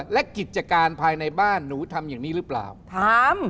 และกิจการภายในบ้านหนูทำอย่างนี้หรือเปล่าถาม